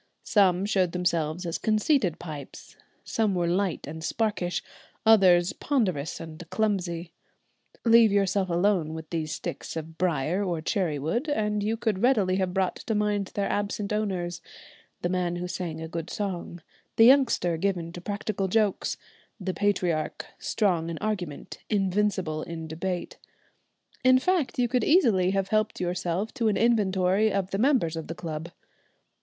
Some showed themselves as conceited pipes; some were light and sparkish, others ponderous and clumsy. Leave yourself alone with these sticks of briar or cherry wood and you could readily have brought to mind their absent owners, the man who sang a good song, the youngster given to practical jokes, the patriarch, strong in argument, invincible in debate, in fact you could easily have helped yourself to an inventory of the members of the club.